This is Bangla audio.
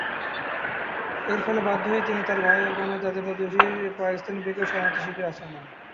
এর ফলে বাধ্য হয়ে তিনি, তার ভাইবোন ও তার দাদী প্রতিবেশী দেশ পাকিস্তানে নাসির বেগ শরণার্থী শিবিরে আশ্রয় নেন।